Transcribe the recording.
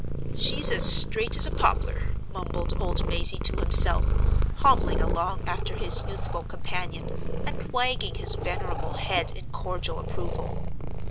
"She's as straight as a poplar," mumbled old Mazey to himself, hobbling along after his youthful companion, and wagging his venerable head in cordial approval.